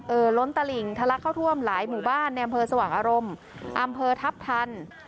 ล้นตลิ่งทะลักเข้าท่วมหลายหมู่บ้านในอำเภอสว่างอารมณ์อำเภอทัพทัน